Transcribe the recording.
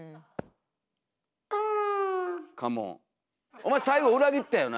「お前最後裏切ったよな？